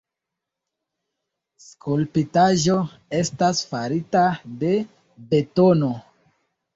Skulptaĵo estas farita de betono.